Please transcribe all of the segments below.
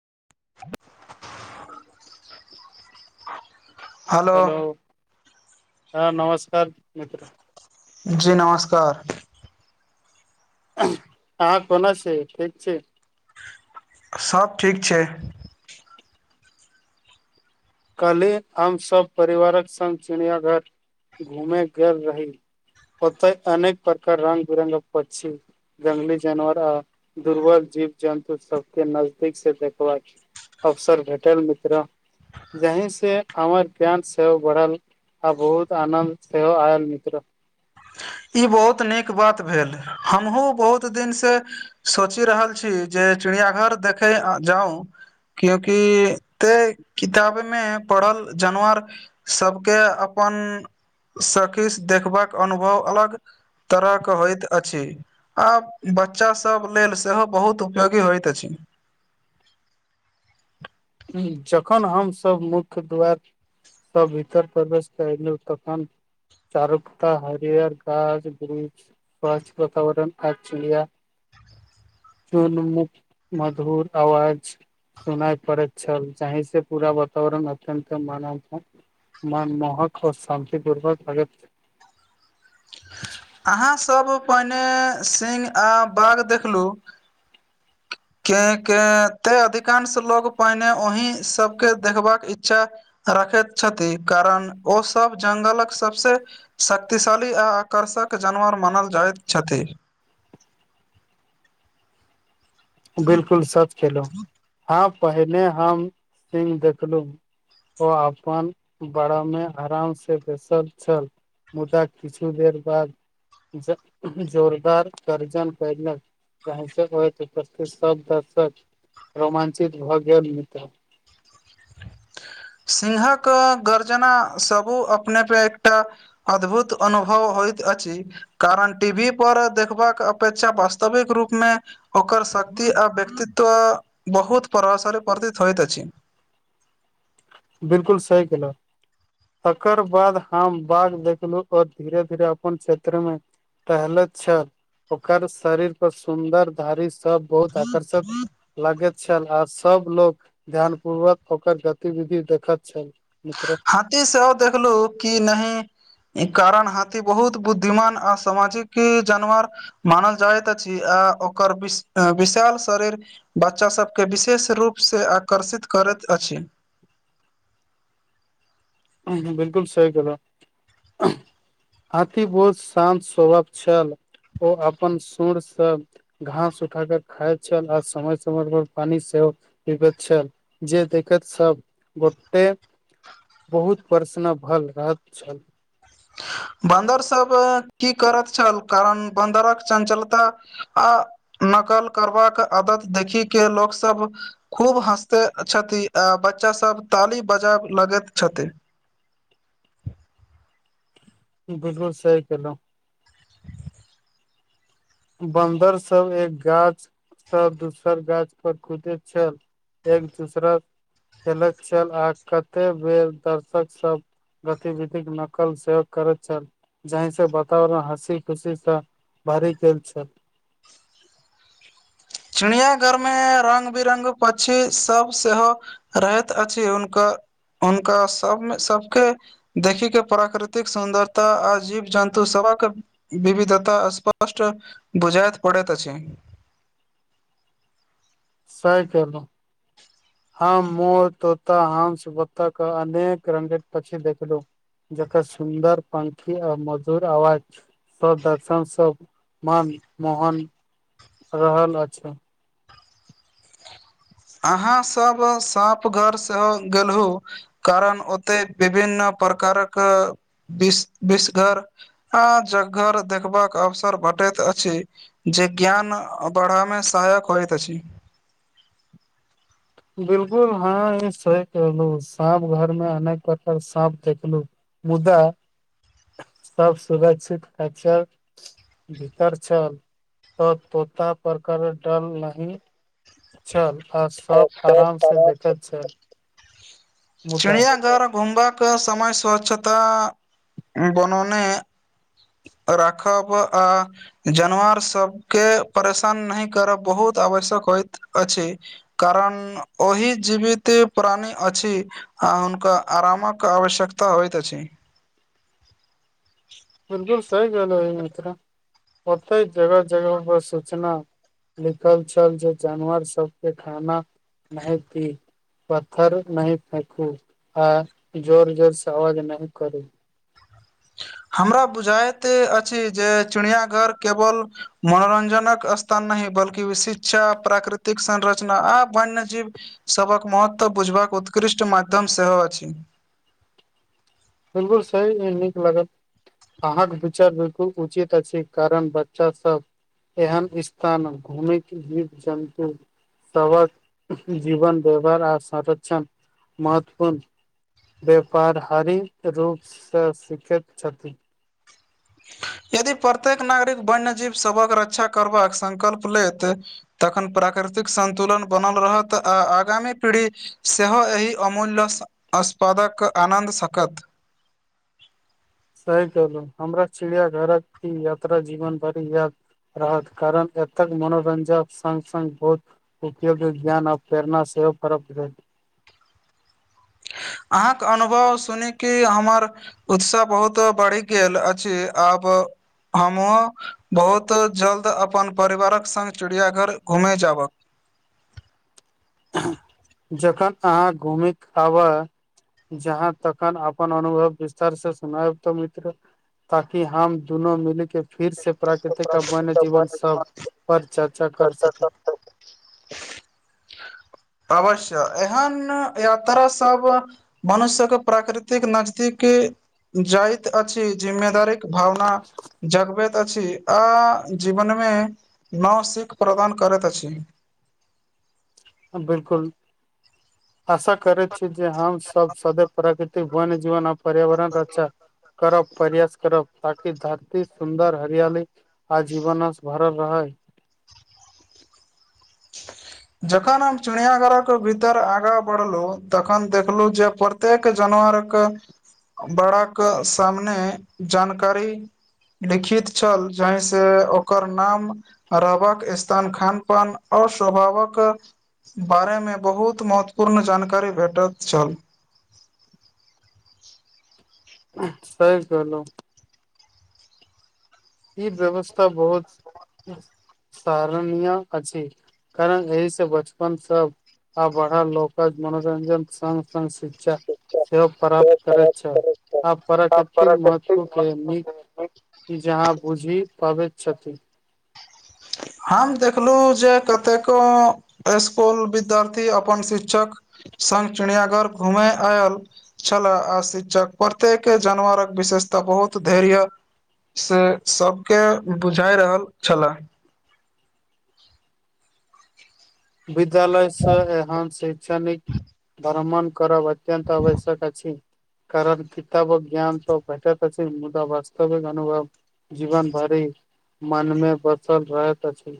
[inaudible] Hello हँ नमस्कार मित्र जी नमस्कार हँ कोना छी ठीक छी सभ ठीक छै काल्ही हम सभ परिवारक संगङ्ग चिड़ियाघर घूमे गेल रही ओतय अनेक प्रकार रंग बिरङ्ग पक्षी जङंगली जानवर आ दुर्बल जीव जन्तु सबके नजदीक से देखबाका अवसर भेटल मित्र जहीं से हमर ज्ञान सेहो बढ़ल आ बहुत आनन्द सेहो आयल मित्र ई बहुत नीक बात भेल हमहुँ बहुत दिन से सोचि रहल छी जे चिड़ियाघर देखै जाउ क्योंकि ते किताब मे पढ़ल जानवर सबके अपन अपन सखीश देखबाक अनुभव अलग तरह के होइत अछि आ बच्चा सब लेल सेहो बहुत उपयोग होइत अछि जखन हमसभ मुख्य द्वार सँ भीतर परवेश केलौ तखन चारुकता हारियर गाछ वृक्ष स्वच्छ वातावरण आ चिड़िया चुन मुख मधुर आवाज सुनाइ पड़ैत छल जाहि से पूरा वातावरण अत्यंत मानल छै मन मोहक ओ शान्तिपूर्वक लगैत अहाँसभ पहिने सिंह आ बाघ देखलूँ केँ केँ ते अधिकांश लोग पहिने ओहि सबके देखबाक इच्छा रखैत छथि कारण ओ सब जंगलक सबसँ शक्तिशाली आ आकर्षक जानवर मानल जाइत छथि [inaudible] बिलकुल सच कहलहु आ पहिने हम सिंह देखलहु ओ अपन बड़ामे आराम से बैसल छल मुदा किछु देर बाद जोरदार गरजन कयलक जाहिसँ स्थित सब दर्शक रोमांचित भऽ गेल मित्र [inaudible] सिंहक गर्जना सबू अपने पे एकटा अद्भुत अनुभव होइत अछि कारण टी वी पर देखबाक अपेक्षा वास्तविक रूपमे ओकर शक्ति आ व्यक्तित्व बहुत परभासे परर्धित होइत अछि बिल्कुल सही केहलौं तकर बाद हम बाघ देखलू तऽ धीरे धीरे अपन क्षेत्रमे टहलैत छल ओकर शरीर पर सुन्दर धारी सब बहुत आकर्षक लागैत छल आ सब लोक ध्यान पूर्वक ओकर गतिविधि देखैत छल मित्र हाथी सेहो देखलू कि नहि ई कारण हाथी बहुत बुद्धिमान आ सामाजिक जानवर मानल जाइत अछि आ ओकर विश विशाल शरीर बच्चा सबके विशेष रूप से आकर्षित करैत अछि [unintelligible] बिल्कुल सही कहलौ हाथी बोल शाम स्वभवक छल ओ अपन सुर से घास उठाक खाइत छल आ समय समय पर पानी सेहो पीबैत छल जे देखैत सभ गोटे बहुत प्रसन भल रह छल बन्दर सब की करैत छल कारण बन्दरक चंचलता आ नकल करबाक आदत देखि के लोकसब खूब हँसते छथि आ बच्चा सब ताली बजबए लगैत छथि [inaudible] बिल्कुल सही केहलौं बन्दर सब एक गाछसँ दोसर गाछ पर कुदैत छल एक दोसरा खेलैत छल आ कतेक बेर दर्शक सब गतिविधिक नकल भरि गेल छल चिड़ियाघरमे रंग बिरंग पक्षी सब सेहो रहैत अछि हुनकर हुनका सबमे सबके देखिक के प्राकृतिक सुन्दरता आ जीव जन्तु सब विविधता स्पष्ट बुझायत पड़ैत अछि [unintelligible] सइ केलउ ह मोर तोता हंस बत्तख अनेक रंगेक पक्षी देखलौ जकर सुन्दर पंखी आ मधुर आवाज सब दर्शन सब मान मोहन रहल अछि अहाँ सब साँप घरसँ गेलहु कारण ओते विभिन्न प्रकारक विष विषधर अजगर देखबाक अवसर बढ़ टैत अछि जे ज्ञान बढ़ा मे सहायक होइत अछि [unintelligible] बिल्कुल हाँ ई सही कहलु साँप घर मे अनेक प्रकार साँप देखलु मुदा सब सुरक्षित खचा भीतर छल तऽ तोता पकर डल नहि छल सब आराम से देखैत छै चिड़ियाघर घुमबाक समय स्वच्छता बनौने [unintelligible] राखब आ जानवार सब के परेशान नहि करब बहुत आवश्यक होइत अछि कारण ओहि जीविती प्राणी अछि हुनका त आरामक आवश्यकता होइत अछि बिल्कुल सही कहल होइ मित्र कते जगह जगह पर सूचना लिखल छै जानवर सबके खाना नहिति पत्थर नहीं फेकू आ जोर जोरसँवाज नहि करू [unintelligible] हमरा बुझायत अछि जे चिड़ियाघर केवल मनोरंजनक स्थान नही बल्कि शिक्षा प्राकृतिक संरचना आ वन्य जीव सभक महत्व बुझबाक उत उत्कृष्ट माध्यम सेहो अछि बिल्कुल सही नीक लागत अहाँके विचार बिल्कुल उचित अछि कारण बच्चास सब एहन स्थान घूम के जीव जन्तु सबक जीवन व्यवहार आ संरक्षण महत्वपूर्ण व्यापार हरी रूपसँ सीखैत छथिन [unintelligible] यदि प्रत्येक नागरिक वन्य जीव सबक रक्षा करबाक संकल्प लेत तखन प्राकृ प्राकृतिक संन्तुलन बनल रहत आ आगामी पीढ़ी सेहो एहि अमूल्य अ्पष् पदक आनंद सकत सही कहलहु हमरा चिड़ियाघरक ई यात्रा जीवन भड़ी याद रहत कारण अतक मनोरंजक संग संग बहुत उपयोगी ज्ञान आ प्रेरणा से सेहो फरक रहै अहाँके अनुभव सुनी की हमर उत्साह बहुत बढ़ि गेल अछि आब हमहूँ बहुत जल्द अपन परिवारक संग चिड़ियाघर घूमय जाबक जखन अहाँ घुमै आबह जहाँ तखन अपन अनुभव विस्तार से सुनायब तऽ मित्र ताकि हम दुनू मिलके फिर से प्राकृतिक आ वन्य जीवन सब पर चर्चा कर सकै के [unintelligible] अवश्य एहन यात्रा सब मनुष्यके प्राकृतिक नजदीकी जाइत अछि जिम्ममेदारीक भावना जगबैत अछि आ जीवनमे नव सीख प्रदान करैत अछि [unintelligible] बिल्कुल आशा करै छी जे हम सब सदे प्राकृतिक बन जीवन आ पर्यावरण रक्षा करब परयास करब ताकि धरती सुन्दर हरियाली आ जीवनस भरल रहै [unintelligible] जखन हम चिड़ियघरक भीतर आगाँ बढ़लहुँ तखन देखलहुँ जे प्रत्येक जना रक बड़ाक सामने जानकारी लिखित छल जाहि से ओकर नाम रबक स््तान खान पान आ स्वभावक कए बारेमे बहुत महत्वपूर्ण जानकारी भेटैत छल [unintelligible] सही कहलहु ई व्यवस्था बहुत साहरनीय अछि कारण एहिसँ बचपन सब आ बड़ा लोक मनोरञजन सङ् सङ् सीख सेव प्राप्त करैत छल आ प्राकृतिक महत्व के न जहाँ बुझि पाबैत छथिन हम देखलहुँ जे कतेको स्कूल विद्यार्थी अपन शिक्षक संग चिड़ियाघर घूमे आयल छे आ शिक्षक प्रत्येक जानवरक विशेष तऽ बहुत धैर्य से सबके बुझााय रहल छले विद्यालय से एहन शैक्षणिक भ्रमण करब अत्यंत आवश्यक अछि कारण किताबक ज्ञान तऽ भेटत अछि मुदा वास्तविक अनुभव जीवन भारी मनमे बसल रहैत छै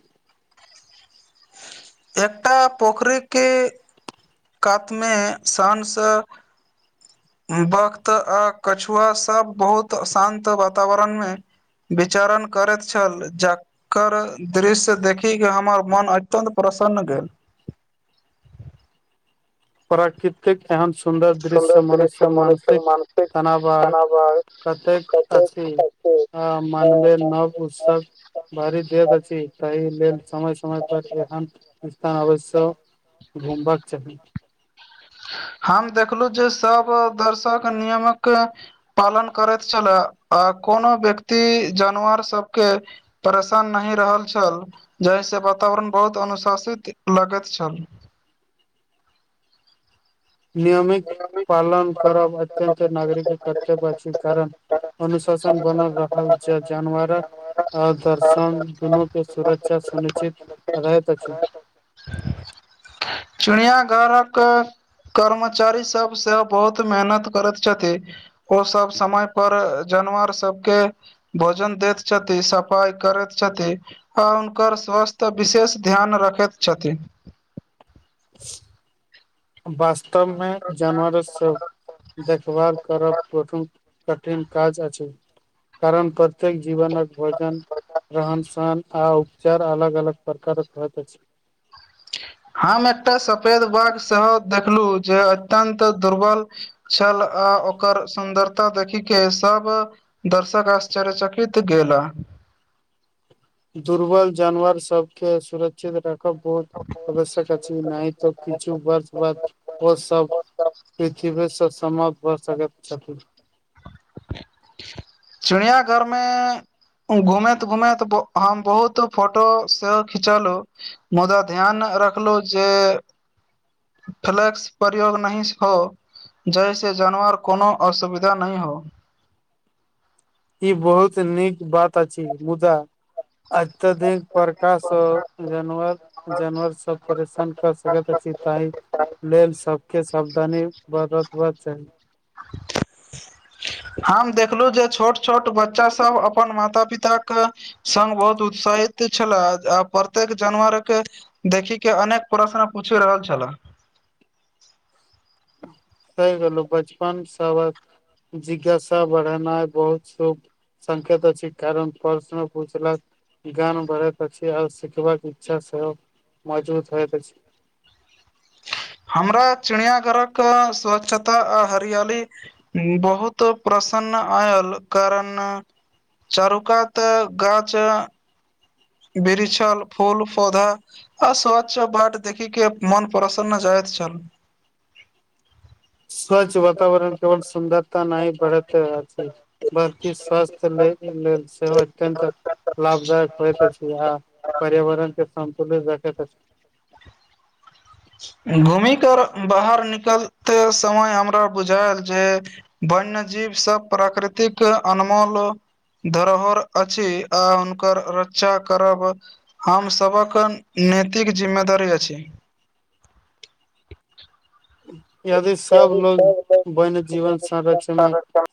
एकटा पोखरिके कातमे शझसँ वक्त आ कछुआ सब बहुत अशान्त वातावरण मे विचरण करैत छल जकर दृश्य देखिक हमर मन अत्यन्त प्रसन्न भेल प्राकृतिक एहन सुन्दर दृश्य से मनुष्य्यक मानसिक तनाव आ कतेक अछि आ मानवे नव उसक भारी देत अछि ताहि लेल समय समय समय पर एहन स्थान अवश्य घुमबाक चाही हम देखलू जे सभ दर्शक नियमक पालन करैत छल आ कोनो व्यक्ति जानवर सभके परेशान नहि रहल छल जहिसँ वातावरण बहुत अनुशासित लगैत छल ह [inaudible] नियमित पालन करब अत्यत नागरिक कर्तव्य अछि कारण अनुशासन बनल रहल अछि जानवरक आ दर्शन दुनू के सुरक्षा सुनिश्चित रहैत अछि [inaudible] चिड़ियाघरक कर्म चारी सब से बहुत मेहनत करैत छथि ओ सब समय पर जानवर सब के भोजन दैत छथि सफाइ करैत छथि आ हुनकर स्वास्थ्य विशेष विशेष ध्यान रखैत छथि बस तब मे जानवर सब देखभाल करब कठिन काज अछि कारण प्राकृतिक जीवनक भोजन रहन सहन आ चार अलग अलग प्रकारक अछि हम एकटा सफेद बाघ स देखलू जे अत्यन्त दुर्बल छल आ ओकर सुंन्दरता देखिक के सब दर्शक आश्चर्यचकित गेल। त दुर्बल जानवर सबके सुरक्षित रख बहुत आवश्यक अछि नहि तऽ किछु वर्षके बाद ओ सब पृथ्वी पर सब समाप्त भ सकैत छथि। [inaudible] चिड़िया घरमे घूमैत घूमैत हम बहुत फोटो सेहो खिचलु मुदा ध्यान रखलो जे फ्लस प्रयोग नहि हो। जहिस जानवर कोनो असुविधा नहि हो। ई बहुत नीक बात अछि मुदा अत्यधिक प्रकाश सँ जानवर जानवर सब परेशान कर अछि ताहि लेल सबके सावधानी बरतवा चाही। हम देखलु जे छोट छोट बच्चा सब अपन माता पिता के संग बहुत उत्साहित छल आ प्रत्येक जानवर के देखी के अनेक प्रश्न पूछ रहल छला। [inaudible] [inaudible] सही कलहु बचपन सबक जिज्ञासा बढ़नाइ बहुत शुभ संकेत अछी कारण प्रश्न पूछलक ज्ञान बढ़ैत अछी, आओ सिखबाक इच्छा सेहो मजबूत होइत अछि। [inaudible] हमरा चिड़ियाघरक स्वच्छता आ हरियाली बहुत प्र प्रसन्न आयल कारण चारुकात गाछ बिरछल फूल पौधा आ स्वच्च बट देखिके मन प्रसन्न जाय चल [inaudible] स्वच्छ वातावरण केवल सुन्दरता नहि बढ़त अछि, बल्कि स्वस्थ्य ल लेल सेहो अत्यन्त लाभदायक होइत अछि, आ पर्यावरण के संतुलित राखैत अछि। घूमिकर बाहर निकलते समय हमरा बुझायल जे वन्य जीव सब प्राकृतिक अनमोल धरोहर अछि, आ हुनकर रक्षा करब हम सभक नैतिक जिम्मेदारी अछी। यदि सब लोग वन्य जीवन संरक्षण मे